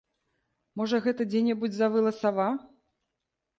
Можа, гэта дзе-небудзь завыла сава?